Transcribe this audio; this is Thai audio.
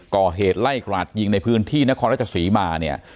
ก่อเหตุไล่กราดยิงในพื้นที่นครราชศรีมาเนี่ย